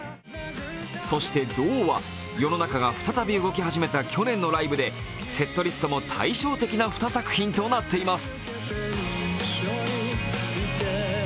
そして「動」は世の中が再び動き始めた去年のライブでセットリストも対照的な２作品となっています。